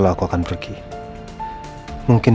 untuk udah beri duit keo